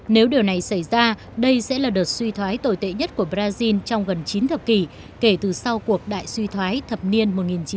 nếu điều này xảy ra đây sẽ là đợt suy thoái tồi tệ nhất của brazil trong gần chín thập kỷ kể từ sau cuộc đại suy thoái thập niên một nghìn chín trăm bảy mươi năm